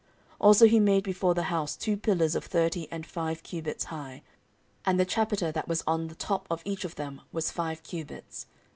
14:003:015 Also he made before the house two pillars of thirty and five cubits high, and the chapiter that was on the top of each of them was five cubits.